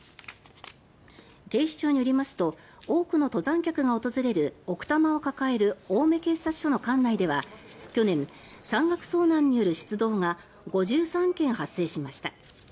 警視庁によりますと多くの登山客が訪れる奥多摩を抱える青梅警察署の管内では去年、山岳遭難による出動が５３件発生しました。